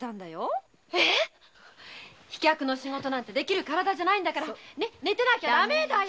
飛脚の仕事なんてできる体じゃないんだから寝てなきゃダメだよ！